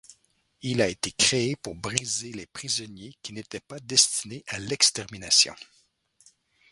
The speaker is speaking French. Il a été créé pour briser les prisonniers qui n'étaient pas destinés à l'extermination.